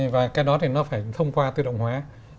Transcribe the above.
và cái đó thì nó phải thông qua tự động lực lượng của chúng ta